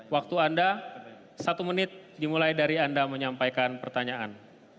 waktu anda satu menit dimulai dari anda menyampaikan pertanyaan